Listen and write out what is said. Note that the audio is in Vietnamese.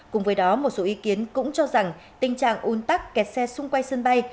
cùng với đó một số ý kiến cũng cho rằng tình trạng un tắc kẹt xe xung quanh sân bay